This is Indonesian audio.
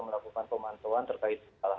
melakukan pemantauan terkait